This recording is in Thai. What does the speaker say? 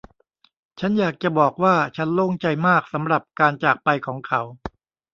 ฉันอยากจะบอกว่า ฉันโล่งใจมากสำหรับการจากไปของเขา